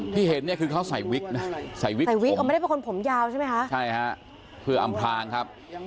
ที่เห็นเนี่ยคือเขาใส่วิกนะใส่วิกผมใช่ฮะเพื่ออำพลางครับ